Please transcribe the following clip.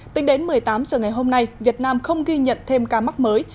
tính đến một mươi tám h ngày hôm nay việt nam không ghi nhận thêm ca mắc mới